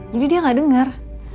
jadi dia nggak denger